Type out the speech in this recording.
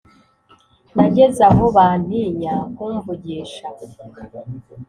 Nageze aho bantinya kumvugisha